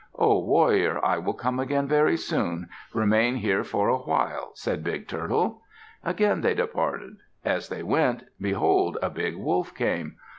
"Ho, warrior. I will come again very soon. Remain here for a while," said Big Turtle. Again they departed. As they went, behold, a Big Wolf came.